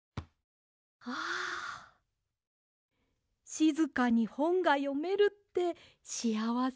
しずかにほんがよめるってしあわせです。